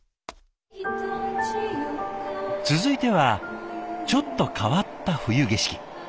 続いてはちょっと変わった冬景色。